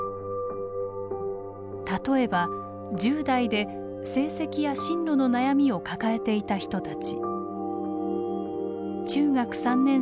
例えば１０代で成績や進路の悩みを抱えていた人たち。